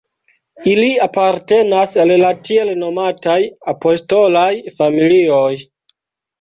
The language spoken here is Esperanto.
Ili apartenas al la tiel nomataj apostolaj familioj.